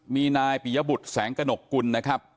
มีนายปิยบุตรแสงกระหนกกุลนะครับ